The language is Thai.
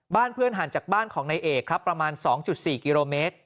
บ้านเพื่อนห่างจากบ้านของนายเอกครับประมาณ๒๔กิโลเมตร